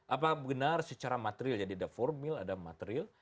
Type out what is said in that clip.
apa benar secara material jadi ada formil ada material